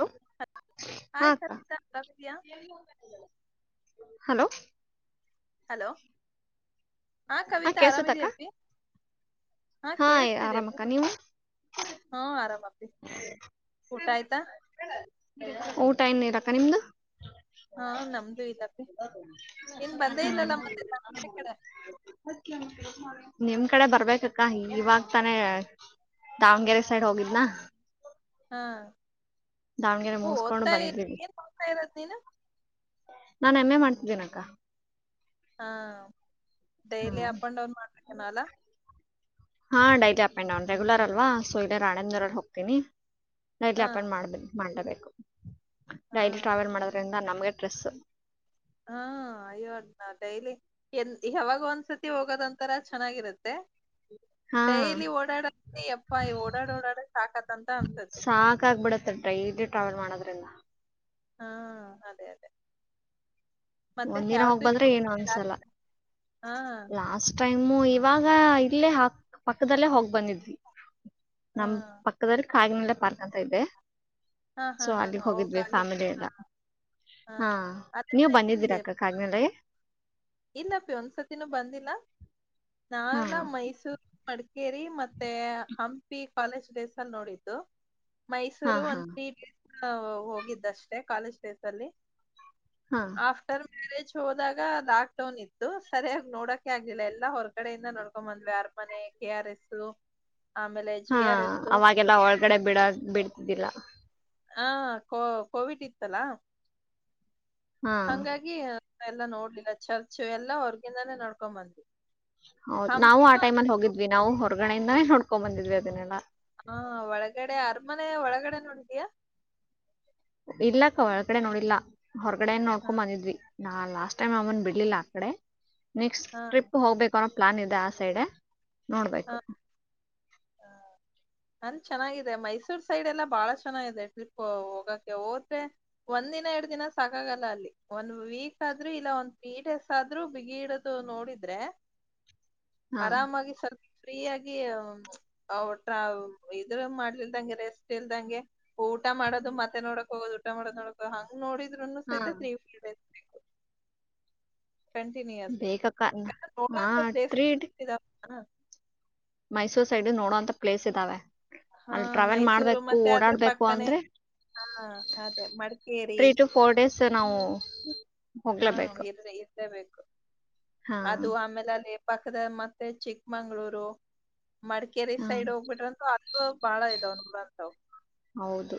Hello ಹಾ hi ಅಕ್ಕ ಕವಿತಾ ಆರಾಮಿದ್ಯಾ ಹಲೋ. ಹಲೋ ಹಾ ಕವಿತಾ ಆರಾಮಿದಿ ಅಪ್ಪಿ. ಹಾ ಕೇಳಿಸ್ತಿದೆ ಅಪ್ಪಿ ಆರಾಮಕ್ಕ ನೀವು ಹಾ ಆರಾಮ. ಊಟ ಆಯ್ತ. ಊಟ ಇನ್ ಇಲ್ಲ ಅಕ್ಕ ನಿಮ್ದು ಹಾ ನಮ್ದು ಇಲ್ಲಪ್ಪಿ ಹ ಇನ್ ಬಂದೇ ಇಲ್ಲಲ್ಲ ಮತ್ತೆ ದಾವಣಗೆರೆ [unintelligible] ಹಕ ಕಡೆ [unintelligible] ನಿಮ್ ಕಡೆ ಬರ್ಬೇಕಕ್ಕ ಇವಾಗ ತಾನೇ ದಾವಣಗೆರೆ ಸೈಡ್ ಹೋಗಿದ್ನಾ. ಹಾ ದಾವಣಗೆರೆ ಮುಗಸ್ಕೊಂಡು ಓದ್ತಾ ಏನ್ ಓದತಾ ಇರೋದ ನೀನು. ನನ್ ಎಮ್ ಎ ಮಾಡ್ತಿದ್ದೇನ ಅಕ್ಕ. ಹಾ ಹ್ಮ ಡೈಲಿ ಅಪ್ ಅಂಡ್ ಡೌನ್ ಮಾಡ್ಬೇಕೇ ನ ಅಲ್ಲಾ. ಹಾ daily up and down regular ಅಲ್ವಾ ಸೊ ಇಲ್ಲೆ ರಾಣೆಂದ ದರಲ್ಲಿ ಹೋಗ್ತೀನಿ. ಡೈಲಿ ಹಾ ಆಪ್ ಎಂಡ್ ಮಾಡ್ಬೇಕ ಮಾಡ್ಲಬೇಕ. ಹಾ ಡೈಲಿ ಟ್ರಾವೆಲ್ ಮಾಡೋದ್ರಿಂದ ನಮ್ಗೆ ಸ್ಟ್ರೆಸ್. ಹಾ ಅಯ್ಯೋ ಅದನ ಡೈಲಿ ಎನ್ ಯಾವಾಗ ಒಂದ್ಸತಿ ಹೋಗೋದೊಂತರ ಚೆನ್ನಾಗಿರತ್ತ. [unintelligible] ಹಾ ಡೈಲಿ ಓಡಾಡದೆ ಎಪ್ಪ ಈ ಓಡಾಡ ಓಡಾಡ ಸಾಕತ್ಂತ ಅನ್ಸುತ್ತೆ. ಸೋ ಡೈಲಿ ಟ್ರಾವೆಲ್ ಮಾಡೋದ್ರಿಂದ. ಹಾ ಅದೇ ಅದೇ. ಮತ್ತೆ ಒಂದಿನ ಯಾವ ಹೋಗ್ ಬಂದ್ರೆ ಟ್ರಿಪ್ ಏನು ಅನ್ಸಲ್ಲ ಹಾ ಲಾಸ್ ಟೈಮ್. ನಮ್ಮ ಇವಾಗ ಇಲ್ಲೇಾ ಪಕ್ಕದಲ್ಲೇ ಹೋಗ್ ಬಂದಿದ್ವಿ ಹಾ ನಮ ಪಕ್ಕದಲ್ಲಿ. ಕಾಗಿನಲ್ಲೆ ಪಾರ್ಕ್ ಅಂತ ಇದೆ ಹಾ. ಹಾ ಹಾ ಸೊ ಹಾ ಅಲ್ಲಿಗ ಹಾ ಓ ಹೋಗಿದ್ವಿ ಫ್ಯಾಮಿಲಿ ಕಾಗಿನೆಲೆ ಹಾ ಎಲ್ಲ ಹಾ ಅದೆಲ್ಲ ನೀವು ಬಂದಿದ್ರರಿ. ಏನಿದೆ [unintelligible] ಕಾಗಮಿಲಯ. ಇಲ್ಲ ಅಪ್ಪಿ ಒಂದ್ಸತಿನೂ ಬಂದಿಲ್ಲ ಹಾ ನನ್ ಮೈಸೂರ್ ಮಾಡಿ. ಕೇರಿ ಮತ್ತೆ ಹಂಪಿ ಕಾಲೇಜ್ ಡೇಸ್ ಅಲ್ಲಿ ನೋಡಿದ್ದು. ಹಾ ಮೈಸೂರು ಹಾ ಒಂದ್ ತ್ರೀ ಡೇಸ್ ಹೋಗಿದ್ದಷ್ಟೇ ಕಾಲೇಜ್ ಡೇಸ್ ಅಲ್ಲಿ. ಹಾ ಆಫ್ಟರ್ ಮ್ಯಾರೇಜ್ ಹೋದಾಗದಾ ೌನ್ ಇತ್ತು ಸರಿಯಾಗಿ ನೋಡಕೆ ಆಗ್ಲಿಲ್ಲ ಎಲ್ಲಾ ಹೊರಗಡೆಯಿಂದ ನೋಡ್ಕೊ ಬಂದ್ವಿ ಅರಮನೆ ಕೆ ಆರ್ ಎಸ್ ಆಮೇಲೆ ಜಿ ಹಾ ಆರ್ ಎಸ್ ಹ್ಮ್ ಅವಾಗೆಲ್ಲ ಒಳಗಡೆ ಬಿಡ ಬಿಡ್ತಿದ್ದಿಲ್ಲ ಹಾ ಕೋ ಕೋವಿಡ್ ಇತ್ತಲಾ ಹಾ ಹಂಗಾಗಿ ಎಲ್ಲ ನೋಡ್ಲಿಲ್ಲ ಚರ್ಚ್ ಎಲ್ಲಾ ಹೊರ್ಗಿಂದಾನೇ ನಡ್ಕೊ್ ಬಂದ್ವಿ ಹೌದ್ ನಾವು ಆ ಹಂಪಿಗೂ ಟೈಮ್ ಅಲ್ಲಿ ಹೋಗಿದ್ವಿ ನಾವು ಹೊರಗಣೆಯಿಂದೇ ನೋಡ್ಕೊಂಡ್ ಬಂದಿದ್ವಿ ಅದನ್ನೆಲ್ಲಾ ಹಾ ಒಳಗಡೆ ಅರಮನೆ ಒಳಗಡೆ ನೋಡಿದಿಯಾ ಇಲ್ಲಕ್ಕ ಒಳಗಡೆ ನೋಡಿಲ್ಲಾ ಹೊರಗಡೆ ಹಾ ನೋಡ್ಕೊ ಬಂದಿದ್ವಿ ನಾ ಲಾಸ್ಟ್ ಟೈಮ್ ಅವನ್ ಬಿಡ್ಲಿಲ್ಲ ಆ ಕಡೆ ನೆಕ್ಸ್ಟ್ ಹಾ ಟ್ರಿಪ್ ಹೋಗ್ಬೇಕುನ ಪ್ಲಾನ್ ಇದೆ ಆ ಸೈಡ್ ಹಾ ನೋಡ್ಬೇಕು ಅಂದ ಚೆನ್ನಾಗಿದೆ ಮೈಸೂರ್ ಸೈಡ್ ಎಲ್ಲಾ ಬಾಳ ಚೆನ್ನಾಗಿದೆ ಟ್ರಿಪ್ ಹೋಗಕ್ಕೆ ಹೋದ್ರೆ ಒಂದ ದಿನ ಎರಡು ದಿನ ಸಾಕಾಗಲ್ಲ ಅಲ್ಲಿ ಒಂದ್ ವೀಕ್ ಆದ್ರೂ ಇಲ್ಲ ಒಂದ್ ತ್ರೀ ಡೇಸ್ ಆದ್ರೂ ಬಿಗಿ ಇಡದು ನೋಡಿದ್ರೆ [inaudible] ಹಾ ಆರಾಮಾಗಿ ಸ್ವಲ್ಪ ಫ್ರೀ ಆಗಿಟ್ರ ಇದ್ರ ಮಾಡ್ಲಿಲ್ದಂಗೆ ರೆಸ್ಟ್ ಇಲ್ದಂಗೆ ಊಟ ಮಾಡೋದು ಮತ್ತೆ ನೋಡಕೋ್ ಊಟ ಮಾಡೋ್ ನೋಡಕೋ ಹಂಗ ನೋಡಿದ್ನು ಹಾ ಸೈತತ್ರೀ ಫ ಕಂಟಿನ್ಯೂಯಸ್ ಬೇಕಕ್ಕ ಹಾ ನೋಡಂತ ಪ್ಲೇಸ್ ಟ್ರೀಟ್ ಮೈಸೂರ್ ಸೈಡ್ ನೋಡೋಂತ ಪ್ಲೇಸ್ ಇದಾವೆ ಹಾ ಅಲ್ಲಿ ಟ್ರಾವೆಲ್ ಮೈಸೂರು ಮಾಡ್ಬೇಕು ಮತ್ತೆ ಅದ್ರ ಓಡಾಡ್ಬೇಕು ಪಕ್ಕನೆ ಅಂದ್ರೆ ಹಾ ಅದೇ ಮಡಿಕೇರಿ ೀ ಟು ಫೋರ್ ಡೇಸ್ ನಾವು ಹಾ ಹೋಗ್ಲೇಬೇಕು ಇರ್ದೆ ಇರ್ಲೇಬೇಕು ಹಾ ಅದು ಆಮೇಲೆ ಅಲ್ಲಿ ಪಕ್ಕದ ಮತ್ತೆ ಚಿಕ್ಕಮಂಗ್ಗಳೂರು ಮಡಿಕೇರಿ ಹಾ ಸೈಡ್ ಹೋಗ್ಬಿಟ್ರಂತೂ ಬಾಳ ಇದಾವ ನಮ ಅರ್ಥಾವ ಹೌದು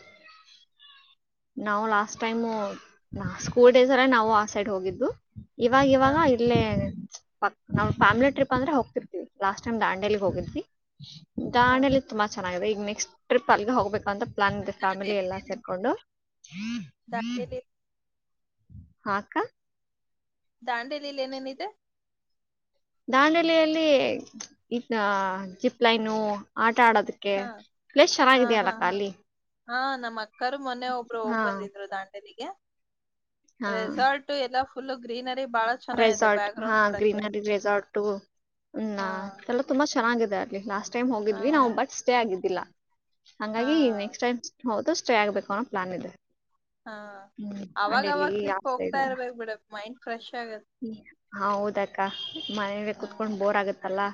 ನಾವು ಲಾಸ್ಟ್ ಟೈಮು ನಾ ಸ್ಕೂಲ್ ಡೇಸ್ಲ್ಲ ನಾವು ಆ ಸೈಡ್ ಹೋಗಿದ್ದು ಇವಾಗ ಹಾ ಇವಾಗ ಇಲ್ಲೇ ನಾ ಹಾ ಫ್ಯಿಲಿ ಟ್ರಿಪ್ ಅಂದ್ರೆ ಹೋಗತಿರ್ತಿವಿ ಲಾಸ್ ಟೈಮ್ ದಾಂಡೇಲಿಗ್ ಹೋಗಿದ್ವಿ ಹಾ ದಾಣಿಯಲಿ ತುಂಬಾ ಚೆನ್ನಾಗಿದೆ ಈಗ ನೆಕ್ಸ್ಟ್ ಟ್ರಿಪ್ ಅಲ್ಲಿಗೆ ಹೋಗ್ಬೇಕಂತ ಪ್ಲನ್ ಫ್ಯಾಮಿಲಿ ಎಲ್ಲಾ ಸೇರ್ಕೊಂಡು ದಾಂಡೇಲಿ ಹಾಕ್ಕ ದಾಂಡೇಲಿಲಿ ಏನೇನ ಇಿದೆ ದಾಂಡಲೆಯಲ್ಲಿ ಇ ಜಿಪ್ ಲೈನು ಆ ಆಡೋದಕ್ಕೆ ಹಾ ಪ್ಲೇಸ್ ಹಾ ಹಾ ಚೆನ್ನಾಗಿದ್ಯಲ್ಲಕ್ಕ ಹಾ ಅಲ್ಲಿ ಹಾ ನಮ್ ಮೊನ್ನೆ ಒಬ್ರು ಹಾ ಹೋಗ್ ಬಂದಿದ್ರು ದಾಟೆನಿಗೆ ಹಾ ರೆಸಾರ್ಟ ಎಲ್ಲಾ ಫುಲ್ ಗ್ರೀನರಿ ಬಾಳ ಚೆನ್ನಾಗಿದೆ ರೆಸಾರ್ಟ್ ಬ್ಯಾಕ್ ಹಾ ಗ್ರೌಂಡ್ ನೋಡಕ್ಕೆ ಗ್ರೀನರಿ ರೆಸಾರ್ಟಲ್ಲ ಹಾ ತು ಚೆನ್ನಾಗಿದೆ ಅಲ್ಲಿ ಲಾಸ್ಟ್ ಟೈಮ್ ಹೋಗಿದ್ವಿ ಹಾ ನಾವು ಬಟ್ ಸ್ಟೇ ಆಗಿದ್ದಿಲ್ಲಾ ಹಾ ಹಂಗಾಗಿ ನೆಕ್ಸ್ಟ್ ಟೈಮ್ ಹೌದು ಸ್ಟೇ ಆಗ್ಬೇಕು ಅನ್ನೋ ಪ್ಲಾನ್ ಇದೆ ಹಾ ಹ್ಮ್ ಅಂಡಲ್ಲಿ ಅವಾಗವಾಗ ಟ್ರಿಪ್ ಆಾಸ್ತ ಹೋಗ್ತಾ ಇದಲ್ಲ ಇರ್ಬೇಕ್ ಬಿಡ ಮೈಂಡ್ ಫ್ರೆಶ್ ಆಗತ್ ಹ ಹೌದಕ್ಕ ಮನೇ ಹ ಕುೂತ್ಕೊಂಡ್ ಬೋರ್ ಆಗತ್ತಲ್ಲಾ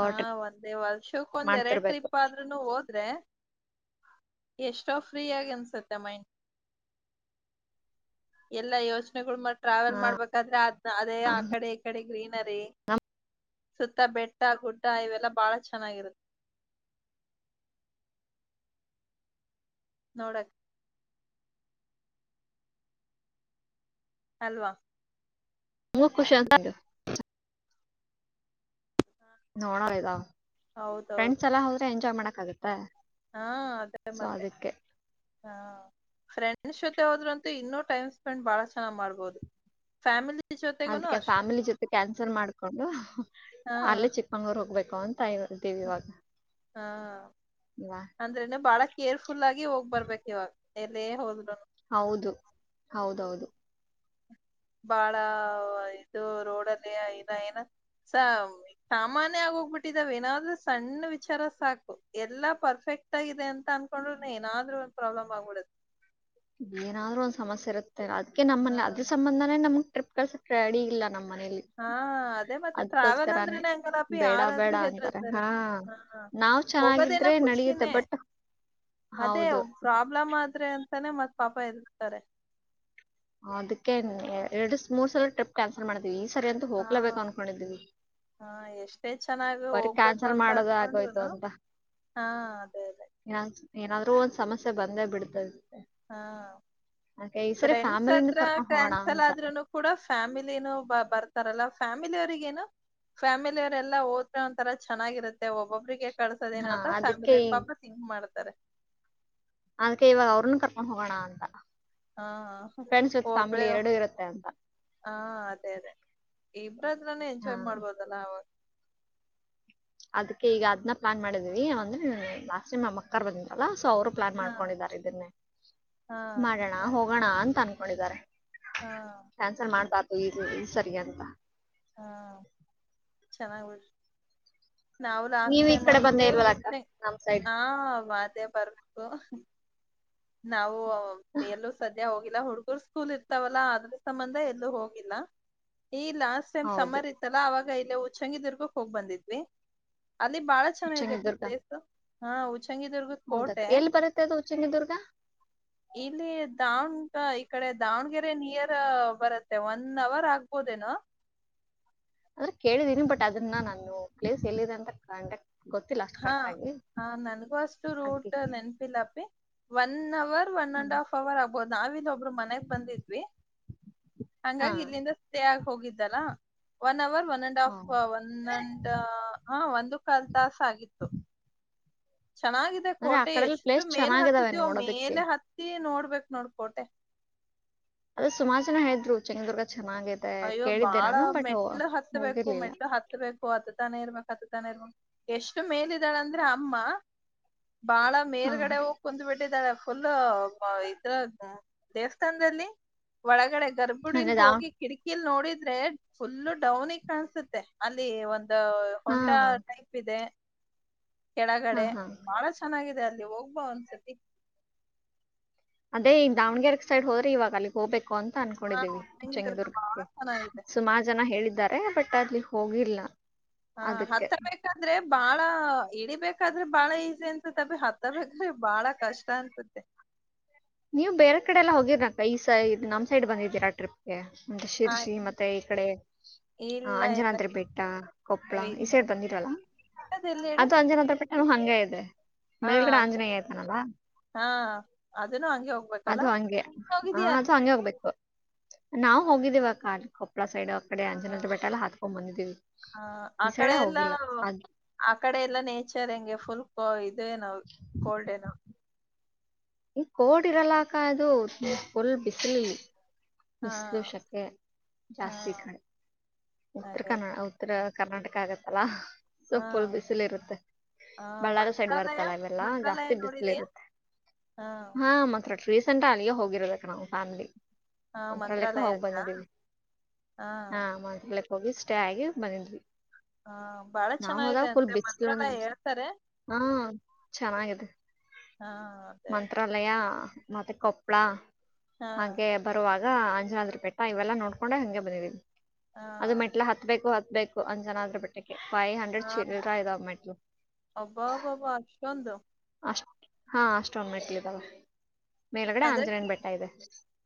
ಹಾ ಒಂದೇ ವರ್ಷಕ್ಕ ಒಂದ್ ಎರಡ್ ಮಾಡ್ತಿರ್ಬೇಕು ಟ್ರಿಪ್ ಆದ್ರರುನು ಹೋದ್ರೆ ಎಷ್ಟೋ ಫ್ರೀ ಆಾಗಿ ಅನ್ಸತ್ತೆ ಮೈಂಡ್ ಎಲ್ಲಾ ಯೋಚನೆಗಳು ಮ ಟ್ರಾವೆಲ್ ಹಾ ಮಾಡ್ಬೇಕಾದ್ರೆ ಅದ್ ಅದೇ ಆ ಕಡೆ ಈ ಕಡೆ ಗ್ರೀನ್ ರ ಸುತ್ತ ಬೆಟ್ಟ ಗುಡ್ಡ ಇವೆಲ್ಲಾ ಬಾಳ ಚೆನ್ನಾಗಿರುತ್ತೆ ನೋಡಕ್ ಅಲ್ವಾ ಮೂ ಕುುಷ ನೋಡೋರಿದಾ ಹೌದೌದು ಫ್ರೆಂಡ್ಸ್ ಎಲ್ಲ ಹೋದ್ರೆ ಎಂಜಾಯ್ ಮಾಡಕ್ ಆಗತ್ತೆ ಹಾ ಅದೇ ಸೊ ಮತ್ತೆ ಅದಕ್ಕೆ ಹಾ ಫ್ರೆಂಡ್ ಹೋದ್ರಂತೆ ಇನ್ನೂ ಟೈಮ್ ಸ್ಪೆಂಡ್ ಬಹಳ ಚೆನ್ನ ಮಾಡಬಹುದು ಫ್ಯಾಮಿಲಿ ಜೊತೆಗುನು ಅದ್ಕ ಅಷ್ಟೆ ಫ್ಯಾಮಿಲಿ ಜೊತೆ ಕ್ಯಾನ್ಸಲ್ ಮಾಡ್ಕೊಂಡು ಹಾ ಅಲ್ಲೇ ಚಿಕ್ಕಮಂಗ್ಳೂರ್ ಹೋಗ್ಬೇಕು ಅಂತ ಇದ್ದೀವಿ ಇವಾಗ ಹಾ ಅಲ್ವಾ ಅಂದ್ರೇನೆ ಬಾಳ ಕೇರ್ಫುಲ್ ಆಗಿ ಹೋಗ್ಬರ್ಬೇಕಕ್ ಇವಾಗ ಎಲ್ಲೇ ಹೋದ್ಲುೂ ಹೌದು ಹೌದೌದು ಬಾಳ ಇದು ರೋಡ್ ಅಲ್ಲಿ ಇನ ಏನ ಸ ಸಾಮಾನ್ಯ ಆಗ ಹೋಗ್ಬಿಟ್ಟಿದಾವ ಏನಾದ್ರೂ ಸಣ್ಣ ವಿಚಾರ ಸಾಕು ಎಲ್ಲಾ ಪರ್ಫೆಕ್ಟ್ ಕಕ್ಟ್ ಆಗ ಅನ್ಕೊಂಡ್ರ್ ಏನಾದ್ ಒಂದ ಪ್ರಾಬ್ಲ್ ಆಗ್ಬಿಡೆ ಹ ಏನಾದ್ೂ ಒಂದ್ ಸಮಸ್ಯೆ ಇರುತ್ತೆ ಅದ್ ಹಾ ನಮ್ಮಲ್ಲಿ ಅದ್ರ ಸಂಬಂಧಾನೇ ನಮ್ಗ್ ಟ್ರಿಪ್ ಕಲ್ಸ ರೆಡಿ ಇಲ್ಲ ನಮ್ ಮನೇಲಿ ಹಾ ಅದೇ ಮತ್ತೆ ಟ್ರಾವೆಲ್ ಅದ್ಕೋಸ್ಕರಾನೇ ಅಂದ್ರೆನೆ ಹಂಗಲ್ಲಪಿ ಬೇಡ ಬೇಡ ಯಾರಾದ್ರೂ ಅಂತಾರೆ ಹೆದರ್ತಾರೆ ಹಾ ಹಾ ನಾವ್ ಹೋಗೋದೇನ ಚೆನ್ನಾಗಿದ್ರೆ ನಡಿಯುತ್ತೆ ಖುಷಿನೇ ಬಟ್ ಅದೇ ಹೌದು ಪ್ರಾಬ್ಲಮ್ ಆದ್ರೆ ಅಂತಾನೇ ಮತ್ ಪಾಪ ಇರ್ತಾರೆ ಅದ್ಕ್ಕೆ ಎರಡ್ ಮೂರ್ ಸಲ ಟ್ರಿಪ್ ಕ್ಯಾನ್ಸಲ್ ಮಾಡಿದ ಈ ಸರಿ ಅಂತೂ ಹಾ ಹೋಗಲೇಬೇಕು ಅನ್ಕೊಂಡಿದ್ವಿ ಹಾ ಎಷ್ಟೇ ಚೆನ್ನಾಗಿ ಬರಿ ಹೋಗ್ಬೇಕು ಕ್ಯಾನ್ಸಲ್ ಅಂತ ಮಾಡೋದು ಆಗೋಯ್ತು ಅನ್ಕೊಂಡ್ರುನು ಅಂತ ಹಾ ಅದೇ ಅದೇ ಏ ಏನಾದ್ರರು ಒಂದ್ ಸಮಸ್ಯೆ ಬಂದೇ ಬಿಡ್ತದೆ ಹಾ ಅದ್ಕೆ ಈ ಸರಿ ಫ್ರೆಂಡ್ಸ್ ಫ್ಯಾಮಿಲಿನ ಹತ್ರ ಕರ್ಕೊಂಡ್ ಹೋಗೋಣ ಕ್ಯಾನ್ಸಲ್ ಅಂತ ಆದ್ನು ಕೂಡ ಫ್ಯಾಮಿಲಿನೂ ಬರ್ತಾರಲ್ಲ ಫ್ಯಾಮಿಲಿಯ ಅವರಿಗೇನು ಫ್ಯಾಮಿಲವರೆಲ್ಲ ಓದ್ರೆ ಒಂಂತರ ಚೆನ್ನಾಗಿರುತ್ತೆ ಒಬ್ಬೊಬ್ಬ್ರಿಗೆ ಹಾ ಕಳಸೋದೇನ ಅಂತ ಅದಕ್ಕೆ ಫ್ಯಾಮಿಲಿ ಈ ಎಲ್ಲಿ ಪಾಪ ತಿಂಂಗಕ್ ಮಾಡ್ತಾರೆ ಅದ್ಕ್ಕೆ ಇವಾಗ ಅವ್ರನ್ನ ಕರ್ಕೊಂಡ್ ಹೋಗೋಣ ಅಂತ ಹಾ ಫ್ರೆಂಡ್ಸ್ ವಿತ್ ಫ್ಯಾಮಿಲಿ ಹಬಳೋ ಎರಡು ಇರುತ್ತೆ ಅಂತ ಹಾ ಅದೇ ಅದೇ ಇಬ್ರತ್ರ್ರನೆೇ ಹಾ ಎಂಜಾಯ್ ಮಾಡ್ಬೋದಲ್ಲ ಅವಾಗ ಅದ್ ಈಗ ಅದನ್ನ ಪ್ಲಾನ್ ಮಾಡಿದೀವಿ ಅಂದ್ರೆ ಲಾಸ್ಟ್ ಟಮ್ ನಮ್ಮ ಅಕ್ಕಾರ್ ಬಂದಲ್ಲಾ ಸೊ ಅವರು ಪ್ಲಾನ್ ಹಾ ಮಾಡ್ಕೊಂಡಿದ್ದಾರೆ ಇದನ್ನೇ ಹಾ ಮಾಡೋಣ ಅದ್ ಹೋಗೋಣ ಅಂತ ಅನ್ಕೊಂಡಿದ್ದಾರೆ ಹಾ ಕ್ಯಾನ್ಸಲ್ ಮಾಡಬಾ್ದು ಇ ಇ ಸರಿ ಅಂತ ಹಾ ಚೆನ್ನಾಗ್ ಬಿಡರಿ ನಾವು ನೀವ್ ಈ ಲಾಸ್ತಮ ಕಡೆ ಬಂದೇ ಇಲ್ಲೇ ಇಲ್ವಲ್ಲ ಅಕ್ಕ ಊಷೆ ನಮ್ ಸೈಡ್ ಹಾ ವಾದೇ ಬರ್ಬೇಕು ನಾವು ಎಲ್ಲೂ ಸದ್ಯ ಹೋಗ ಹುಡುಗರ್ ಸ್ಕೂಲ್ ಇರ್ತಾವಲ್ಲಾ ಅದ್ರ ಸಂಬಂಧ ಎಲ್ಲೂ ಹೋಗಿಲ್ಲ ಈ ಲಾಸ್ಟ್ ಟೈಮ್ ಹೌದು ಸಮಮ್ಮರ್ ಇತ್ತಲ್ಲ ಅವಾಗ ಇಲ್ಲ ಹುಚ್ಚಂಗಿದದುರ್ಗಕ್ ಹೋಗ್ ಬಂದಿದ್ವಿ ಅಲ್ಲಿ ಬಾಳ ಚೆನ್ನ ಅ ಉಚ್ಚಂಗಿದುರ್ಗ ಪ್ಲೇಸ್ ಹಾ ಹಚಂಗಿಿದದುರ್ಗ ಹೌದಕ್ಕ ಕೋರ್ಟೆ ಎಲ್ಲಿ ಬರುತ್ತೆ ಅದು ಉಚ್ಚಂಗಿದುರ್ಗ ಇಲ್ಲಿ ದಾವನ್ ಈ ಕಡೆ ದಾವಣಗೆರೆ ನಿಯರ್ ಬರತ್ತೆ ಒನ್ ಅವರ್ ಆಗ್ಬೋದೇನ ಅ್ರೆ ಕೇಳಿದೀನಿ ಬಟ್ ಅದನ್ನ ನಾನು ಪ್ಲೇಸ್ ಎಲ್ಲಿದೆ ಅಂತ ಕಕ್ ಹಾ ನನಗೂ ಅಷ್ಟು ರೂಟ್ ಅದಕ್ಕೆ ನೆನಪಿಲ್ಲಪಿ one hour one hmm and half hour ಆಗ್ಬಹದು ನಾವಿಂದ ಒಬ್ರು ಮನೆಗ್ ಬಂದಿದ್ವಿ ಹಾ ಹಂಗಾಗಿ ಇಲ್ಲಿಂದ ಸ್ಟೇ ಆಗ ಹೋಗಿದ್ದಲ್ಲ ಒನ್ ಅವರ್ ಒ ಅಂಡ್ ಹಾ ಆಫ್ ಒಂದಂಡ್ ಹ ಒಂದು ಕಲ್ ತಾಸ ಆಗಿತ್ತು ಚೆನ್ನಾಗಿದೆ ಅಂದ್ರೆ ಆ ಕೋಟೆ ಕಡೆಲ್ಲ ಎಷ್ಟು ಪ್ಲೇಸ್ ಮೇಲೆ ಚೆನ್ನಾಗಿದಾವೆ ಹತ್ತತಿವ ನೋಡೋದಕ್ಕೆ ಮೇಲೆ ಹತ್ತಿ ನೋಡ್ಬ ಹಬೇಕ ನೋಡ್ಕೋಟೆ ಅದದು ಸುಮಾರುನ ಹೆಿದ್ರು ಚಂಗದುರ್ಗ ಅಯ್ಯೋ ಬಾಳ ಮೆಟ್ಲು ಹತ್ತಬೇಕು ಹೋಗಿರ್ಲಿಲ್ಲ ಮೆಟ್ಲು ಹತ್ಬೇಕು ಅದ ತಾನೇ ಇರ್ಬೇಕ ಎಷ್ಟು ಮೇಲಿದಾಳ ಅಂದ್ರೆ ಅಮ್ಮ ಬಾಳ ಹಾ ಮೇಲ್ಗಡೆ ಹೋಗ್ ಕುಂದ್ ಬಿಟ್ಟಿದ್ದಾಳೆ ಫುಲ್ ಇದ್ರ ದೇವಸ್ಥಾನದಲ್ಲಿ ಒಳಗಡೆ ಗರ್ಭುಡಿಲಿ ಅಂದ್ರೆ ದಾ ಹೋಗಿ ಕಿಲ್ ನೋಡಿದ್ರೆ ಫುಲ್ಲು ಡೌನಿಗೆ ಕಾಣಸುತ್ತೆ ಅಲ್ಲಿ ಒಂದು ಅ ಹಾ ಹೊಂಡಾ ಟೈಪ್ ಇದೆ ಹಾ ಕೆಳಗಡೆ ಹಾ ಬಾಳ ಚೆನ್ನಾಗಿದೆ ಅಲ್ಲಿ ಹೋಗ್ಬಾ ಒಂದ್ಸತಿ ಅದೇ ಈಗ ದಾವಣಗೆರೆಗೆ ಸೈಡ್ ಹೋದ್ರಿವಾಗ ಅಲ್ಲಿಗ್ ಹೋಗಬೇಕು ಕೋ ಅಂತ ಹಾ ಅನ್ಕೊಂಡಿದ್ದೀವಿ ಉದ್ದಂಗಿದರ್ಗ ಬಾಳ ಚೆಂಗದುರ್ಗಕ್ಕೆ ಚೆನ್ನಾಗಿದೆ ಸುಮಾರು ಜನ ಹೇಳಿದ್ದಾರೆ ಬಟ್ ಅಕ್ಕಅಲ್ಲಿ ಹೋಗಿಲ್ಲ ಹ ಅದಕ್ಕೆ ಹತ್ತರ್ಬೇಕಾದ್ರೆ ಬಾಳ ಇಡಿಬೇಕ ಹಾದ್ರೆ ಬಾಳ ಈಸಿ ಅನ್ಸತ್ತ ಅಬೀ ಹತ್ತಬೇಕ್ರಿ ಬಾಳ ಕಷ್ಟ ಅನ್ಸತ್ತ ನೀವ್ ಬೇರೆ ಕಡೆ ಎಲ್ಲ ಹೋಗಿದ್ರಕ್ಕ ಈ ಸೈಡ್ ನಮ್ ಸೈಡ್ ಬಂದಿದ್ದೀರಾ ಟ್ರಿಪ್ಗೆ ಮೆ ಹ ಶಿರ್ಸಿ ಮತ್ತೆ ಈ ಕಡೆ ಹ ಇಲ್ಲ ಇಲ್ಲ ಅಂಜನಾಥ್ರ ಬೆೇಟ್ಟ ಕೊಪ್ಪಳ ಈ ಇಲ್ಲ ಸೈಡ್ ಬಂದಿರವಲ್ಲ ಇಲ್ಲ ಎಲ್ಲಿ ಹೇಳು ಅದು ಅಂಜನಾಥ್ರ ಬೇಟ್ಟೆ ಏನು ಹಂಗ ಇದೆ ಹಾ ಮೇಲ್ಗಡೆ ಅಂಜ ಆಂಜನೇಯ ಆಯ್ತಾನವಾ ಹಾ ಅದೂನು ಹಂಗೆ ಹೋಗ್ಬೇಕಲ್ಲ ಅದು ಹಂಗೆ ಆ ಹೋಗಿದ್ಯಾ ಅದು ಅಲ್ಲಿ? ಹಂಗೆ ಹೋಗ್ಬೇಕು ನಾವವು ಹೋಗಿದ್ದೀವ ಕಾರ್ ಹಳ ಸೈಡ್ ಆ ಕಡೆ ಅಂಜನ ಬೆಟ್ಟೆಲ್ಲ ಹಾತ್ಕೊಂಡ್ ಬಂದಿದೀವಿ ಆ ಆ ಈ ಸೈಡ ಕಡೆ ಎಲ್ಲಾ ಹೋಗಿಲ್ಲ ಅ ಆ ಕಡೆ ಎಲ್ಲಾ ನೇಚರ್ ಹೆಂಗೆ ಫುಲ್ ಇ ನೋ ಕೋಲ್ಡ್ ಏನುೋ ಈ ಕೋಡ್ ಇರಲ್ಲಾಕ್ಕ ಅದು ನಿ ಫುಲ್ ಬಿಸಿಲಿ ಹಾ ಮಿಸಲು ಶಕೆ ಹಾ ಜಾಸ್ತಿ ಕಡೆ ಉತ್ತರ ಅದೇ ಕನ್ನಡ ಉತ್ತರ ಕರ್ನಾಟಕ ಆಗತ್ತಲ್ಲ ಹಾ ಸೊಪ್ಪುಲ್ ಬಿಸಿಲು ಇರುತ್ತೆ ಹಾ ಬಳ್ಳಾರಿ ಸೈಡ್ ಮಂತ್ರಾಲಯ ಬರುತ್ತಳ ಇವೆಲ್ಲ ಮಂತ್ರಾಲಯ ಜಾಸ್ತಿ ಬಿಸಿಲಿ ನೋಡಿದೀಯಾ? ಇರುತ್ತೆ ಹಾ ಮತ್ರ ರೀಸೆಂಟ್ ಅಲ್ಲಿಯ ಹೋಗಿರಬೇಕಕ್ ನಾವ್ ಫ್ಯಾಮಿಲಿ ಹಾ ಒಂತ್ರರ ಲೆಕ್ಕ ಮಂತ್ರಾಲಯ ಹೋಗಿ ಹತ್ರ ಬಂದಿದ್ದೀವಿ ಹಾ ಮಂತ್ರಾಲಯಕ್ಕೆ ಹೋಗಿ ಸಷ್ಟೇ ಆಗಿ ಬಂದಿದ್ವಿ ಹಾ ಬಾಳ ನಾವ್ ಚೆನ್ನಾಗಿದೆ ಹೋದಾಗ ಫುಲ್ ಅಂತೆ ಮಂತ್ರ ಬಿಸಿಲು ಅಂದ ಎಲ್ಲ ಹೇಳ್ತಾರೆ ಹಾ ಚೆನ್ನಾಗಿದೆ ಹಾ ಅದೇ ಮಂತ್ರಾಲಯ ಮತ್ತೆ ಕೊಪ್ಪಳ ಹಾ ಹಾಗೆ ಬರುವಾಗ ಅಂಜನಾದ್ರ ಪೆಟ್ಟ ಇವೆಲ್ಲಾ ನೋಡ್ಕೊಂಡ ಹಂಗೆ ಬಂದಿದೀವಿ ಹಾ ಅದು ಮೆಂಟ್ಲ ಹತ್ಬೇಕು ಬೇಕು ಅಂದ್ ಜನ ಅದ್ರ ಬಿಟ್ಟಕ್ಕೆ ಫೈವ್ ಹಂಡ್ರೆಡ್ ಹಾ ಚೀರರ ಇದಾವ ಮೆಟ್ಲು ಅಬ್ಬಾಬಾಬಾ ಅಷ್ಟೊಂದು ಅಷ್ಟ ಹಾ ಅಷ್ಟೊಂದ ಮೆಟ್ಲಿದಾವೆ ಅಂದ್ರೆ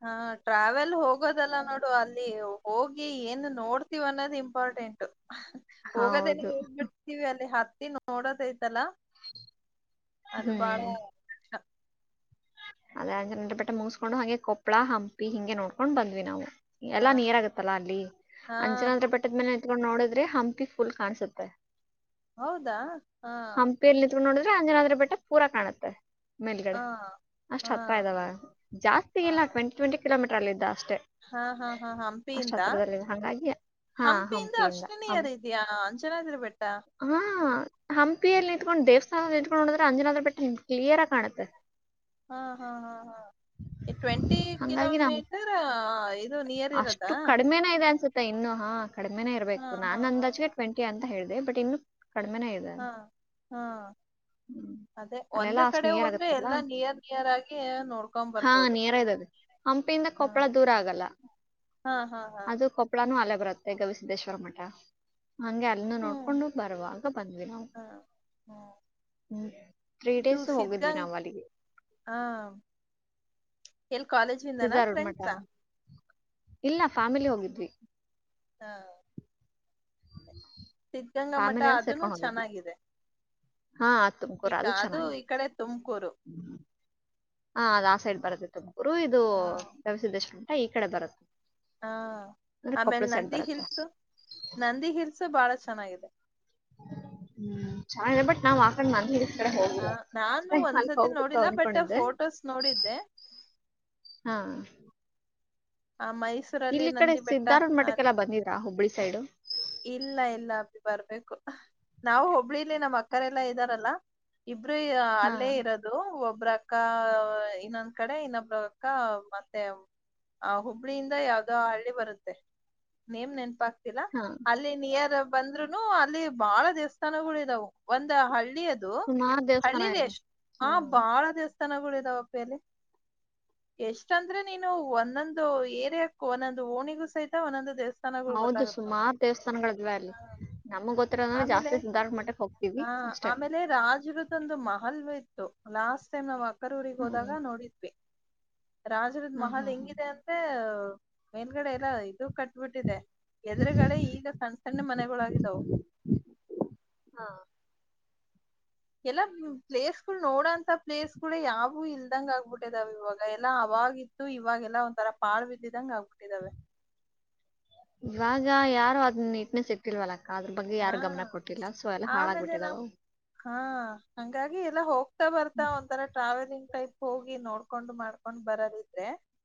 ಹ ಟ್ರಾವೆಲ್ ಹೋಗೋದಲ್ಲ ನೋಡು ಅಲ್ಲಿ ಹೋಗಿ ಏನ್ ನೋಡ್ತಿವ ಅನ್ನೋದು ಇಂಪಾರ್ಟೆಂಟ್ ಹೋಗೋದೇನೆ ಹೌದು ಹೋಗ್ಬಿಡ್ತೀವಿ ಅಲ್ಲಿ ಹತ್ತಿ ನೋಡೋದಐ್ತಲ್ಲ ಅದು ಬಾಳ ಹ್ಮ್ ಅದೇ ಜನ್ರ ಬೆಟ್ಟೆ ಮುಗಿಸಸ್ಕೊಂಡು ಹಂಗೆ ಕೊಪ್ಪಳ ಹಂಪಿ ಹಿಂಗೆ ನೋಡ್ಕೊಂಡ್ ಬಂದ್ವಿ ನಾವು ಹಾ ಎಲ್ಲಾ ನೀರ ಆಗತ್ತಲ್ಲಾ ಅಲ್ಲಿ ಹಾ ಅಂಚನ ಆದ್ರೆ ಬೆಟ್ಟದ್ಮೇಲೆ ನೋಡಿದ್ರೆ ಹಂಪಿ ಫುಲ್ ಕಾಣಸುತ್ತೆ ಹೌದಾ ಹಾ ಹಂಪಿಯರ್ ನಿತ್ಕೊಂಡು ನೋಡಿದ್ರೆ ಅಂಜನಾದ್ರ ಬೆಟ್ಟ ಪೂರಾ ಕಾಣತ್ತೆ ಮೇಲ್ಗಡೆ ಹಾ ಅಷ್ಟ್ ಹಾ ಹತ್ತತ್ರ ಇದಾವ ಜಾಸ್ತಿ ಹಾ ಇಲ್ಲ ಟ್ವೆಂಟಿ ಟ್ವೆಂಟಿ ಕಿಲೋಮೀಟರ್ ಅಲ್ಲ ಇದ್ದ ಅಷ್ಟೇ ಹಾ ಹಾ ಹಾ ಅಷ್ಟ ಹಂಪಿಯಿಂದ ಹತ್ರರದಲ್ಲಿ ಹಂಗಾಗಿಿಯ ಹಾ ಹಂಪಿಯಿಂದ ಅಷ್ಟು ಹ ನಿಯರ್ ಇದೆಯಾ ಅಂಜನಾದ್ರಿ ಬೆಟ್ಟ ಹಾ ಹಂಪಿಯಲ್ಲಿ ನಿಂಕೊಂಡು ದೇವಸ್ಥಾನದಲ್ಲಿ ಇಂಕೊಂಡುೋಿದ್ರ ಅಂಜನನಾ್ರ ಬೆಟ್ಟ ಹಮ ಕ್ಲಿಯರ್ಾಗಿ ಕಾಣುತ್ತೆ ಹಾ ಹಾ ಹಾ ಹಾ ಟ್ವೆಂಟಿ ಹಂಗಾಗಿ ನಾವು ಕಿಲೋಮೀಟರ್ ಇದು ನಿಯರ್ ಅಷ್ಟು ಇರದಾ ಕಡಿಮೆನೇ ಇದೆ ಅನ್ಸುತ್ತೆ ಇನ್ನು ಹಾ ಕಡಿಮೆನೇ ಹಾ ಇರ್ಬೇಕು ಹಾ ನಾನ್ ಹಾ ಅಂದಾಜೆ ಟ್ವೆಂಟಿ ಅಂತ ಹೇಳಿದೆ ಬಟ್ ಇನ್ನು ಕಡಿಮೆ ಹಾ ಹಾ ಹ್ಮ್ ಅದೇ ಒಂದ್ ಅಲ್ಲೆಲ್ಲಾ ಅಷ್ಟ್ ಕಡೆ ನಿಯರ್ ಹೋದ್ರೆ ಆಗತ್ತಲ್ಲ ಎಲ್ಲಾ ನಿಯರ್ ನಿಯರ್ ಆಗಿ ನೋಡ್ಕೊಂಡ್ ಹಾ ಬರ್ಬೋದು ನಿಯರ್ ಇದಾವೆ ಹಂಪಿಯಿಂದ ಹಾ ಕೊಪ್ಪಳ ದೂರ ಆಗಲ್ಲ ಹಾ ಹಾ ಹಾ ಅದು ಕೊಪ್ಪಳಾನೂ ಅಲ್ಲೇ ಬರುತ್ತೆ ಗವಿಸಿದ್ದೇಶ್ವರ ಮಠ. ಹಂಗೆ ಅಲ್ಲಿನ ಹ್ಮ್ ನೋಡ್ಕೊಂಡು ಬರುವಾಗ ಬಂದ್ವಿ ನಾವು ಹಾ ಹ್ಮ್ ಹ್ಮ್ ತ್ರೀ ಇದು ಡೇಸ್ ಹೋಗಿದ್ವಿ ಸಿದ್ಧಗಂಗ್ ನಾವ ಅಲ್ಲಿಗೆ ಹಾ ಎಲ್ಲಿ ಕಾಲೇಜ್ ಇಿಂದನ ಸಿದ್ಧಾ ರೂಢ ಮಠ ಫ್ರೆಂಡ್ಸಾ ಇಲ್ಲ ಫ್ಯಾಮಿಲಿ ಹೋಗಿದ್ವಿ ಹಾ ಸಿದ್ಧಗಂಗಾ ಮಠ ಫ್ಯಾಮಿಲಿ ಎಲ್ಲ ಅದನು ಸೇರ್ಕೊಂಡ್ ಹೋಗಿದ್ವಿ ಚೆನ್ನಾಗಿದೆ ಹಾ ತುಮಕ ಈಗ ರಾಜೂ ಚನ್ನ ಅದು ಈ ಕಡೆ ತುಮಕೂರು ಹಾ ಅದ್ ಆ ಸೈಡ್ ಬರತ್ತೆ ತುಮಕೂರು ಇದು ಹ ರವಿಸಿದ್ದೇಶಮಂಟ ಈ ಕಡೆ ಬರುತ್ತೆ. ಹಾ ಅಂದ್ರೆ ಆಮೇಲೆ ಕೊಪ್ಪಳ ಸೈಡ್ ನಂದಿ ಬರುತ್ತೆ ಹಿಲ್ಸ್ ನಂದಿ ಹಿಲ್ಸ್ ಬಹಳ ಚೆನ್ನಾಗಿದೆ. ಹ್ಮ್ ಚನ್ನಾಗಿದೆ ಬಟ್ ನಾವ್ ಆಕಡೆ ನಂದಿ ಹಿ [unintelligible] ಹೋಗ ಆ ನಾನು ನನ್ ಒಂದ್ಸತಿ ಹೋಗ್ಬೇಕು ನೋಡಿಲ್ಲ ಬಟ್ ಅನ್ಕೊಂಡಿದ್ದೆ. ಫೋಟೋಸ್ ನೋಡಿದ್ದೆ ಹಾ ಆ ಮೈಸೂರಲ್ಲಿ ಇಲ್ಲಿ ಈ ಕಡೆ ನಂದಿ ಬೆಟ್ಟ ಸಿದ್ದಾರೂಡ್ ಆ, ಮಠಕ್ಕೆಲ್ಲಾ ಬಂದಿದ್ರ ಹುಬ್ಬಳಿ ಸೈಡು. ಇಲ್ಲ ಇಲ್ಲ ಅ ಬರ್ಬೇಕು. ನಾವು ಹಬ್ಳಿಲಿ ನಮ್ಮ್ ಅಕ್ಕರೆಲ್ಲಾ ಇದ್ದಾರಲ್ಲಾ ಇಬ್ರು ಹಾ ಅಲ್ಲೇ ಇರದು. ಒಬ್ರಕ್ಕ ಇನ್ನೊಂದ್ ಕಡೆ ಇನ್ನೊಬ್ರಕ್ಕ ಮತ್ತೆ ಆ ಹುಬ್ಳಿಯಿಂದ ಯಾವ್ದೋ ಹಳ್ಳಿ ಬರುತ್ತೆ ನೇಮ್ ನೆನಪಾಗ್ತಿಲ್ಲ. ಹಾ ಅಲ್ಲಿ ನಿಯರ್ ಬಂದ್ರುನು ಅಲ್ಲಿ ಬಾಳ ದೇವಸ್ಥಾನಗಳ ಇದಾವು ಒಂದ ಹಳ್ಳಿ [unintelligible] ಹಳ್ಳಿಯದು ಸುಮಾರು ದೇವಸ್ಥಾನ ಹಳ್ಳಿಲಿ ಇದೆ ಎಷ್ಟ ಆ ಹಾ ಬಾಳ ದೇವಸ್ಥಾನಗಳು ಇದಾವಪ್ಪಿ ಯಲ್ಲಿ. ಎಷ್ಟಂದ್ರೆ ನೀನು ಒಂದೊಂದು ಏರಿಯಾಕ್ಕೂ ಒಂದೊಂದು ಓಣಿಗೂ ಸಹಿತ ಒಂದೊಂದು ದೇವ [unintelligible] ನಗಳು [unintelligible] ಗೊತ್ತಾಗುತ್ತೆ. ಮ್ಮತ್ ದೇವಸ್ಥಾನಗಳಿದವೆ ಅಲ್ಲಿ. ನಮಗ್ ಗೊತ್ತಿರೋದಂದ್ರೆ ಆಮೇಲೆ ಜಾಸ್ತಿ ಸಿದ್ಧಾರೂಢ ಮಠಕ್ಕೆ ಹೋಗ್ತೀವಿ ಹಾ ಅಷ್ಟೇ ಆಮೇಲೆ ರಾಜರುದದೊಂದು ಮಹಲ್ಯ [unintelligible] ಲಾಸ್ಟ್ ಟೈಮ್ ನಾವ್ ಅಕ್ಕರೂರಿಗ್ ಹ್ಮ್ ಹೋದಾಗ ನೋಡಿದ್ವಿ. ರಾಜರದ್ ಹ್ಮ್ ಮಹಲ್ ಹ್ಮ್ ಹ್ಮ್ ಹೆಂಗಿದೆ ಅಂದ್ರೆ ಮೇಲ್ಗಡೆ ಎಲ್ಲ ಇದು ಕಟ್ಬಿಟ್ಟಿದೆ. ಎದುರುಗಡೆ ಈಗ ಸಣ್ಣ್ ಸಣ್ಣ್ ಮನೆಗಳಾಗಿದವು. ಹಾ ಎಲ್ಲಾ ಪ್ಲೇಸ್ ಗಳು ನೋಡಂತ ಪ್ಲೇಸ್ ಗಳು ಯಾವು ಇಲ್ದಂಗ ಆಗ್ಬಿಟ್ಟದಾವ ಇವಾಗ ಎಲ್ಲಾ ಅವಾಗ. ಅವವಾಗಿತ್ತು ಇವಾಗೆಲ್ಲಾ ಒಂಥರ ಪಾಳ್ ಬಿದ್ದಿದಂಗ ಆಗ್ಬಿಟ್ಟಿದಾವೆ. ಇವಾಗ ಯಾರು ಅದ್ ನೀಟ್ನೆಸ್ ಇಟ್ಟಿಲ್ವಲ್ಲ. ಅದ್ರ ಬಗ್ಗೆ ಯಾರು ಹಾ ಗಮನ ಕೊಟ್ಟಿಲ್ಲ ಸೊ ಎಲ್ಲ ಹಾಳಾಗ್ಬಿಟ್ಟಿದಾವ ಅವು. [unintelligible] ಗಿ ಎಲ್ಲ ಹೋಗ್ತಾ ಬರ್ತಾ ಒಂತರ ಟ್ರಾವೆಲಿಂಗ್ [unintelligible] ಕೈಪ್ ಹೋಗಿ ನೋಡ್ಕೊಂಡು ಮಾಡ್ಕೊಂಡ್ ಬರದಿದ್ರೆ.